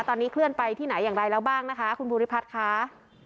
ตอนนี้เคลื่อนไปที่ไหนอย่างไรแล้วบ้างนะคะคุณภูริพัฒน์ค่ะ